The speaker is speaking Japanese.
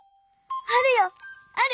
あるよある！